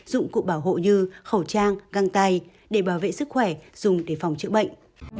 dụng cụ bảo hộ như khẩu trang găng tay để bảo vệ sức khỏe dùng để phòng chữa bệnh